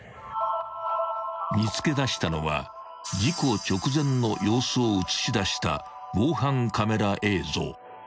［見つけだしたのは事故直前の様子を写し出した防犯カメラ映像］